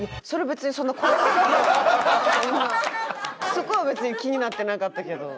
そこは別に気になってなかったけど。